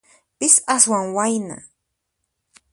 Pin aswan wayna?